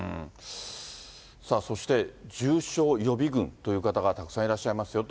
そして、重症予備軍という方がたくさんいらっしゃいますよと。